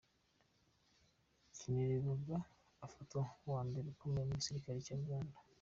Kainerugaba afatwa nk’uwa mbere ukomeye mu gisirikare cya Uganda.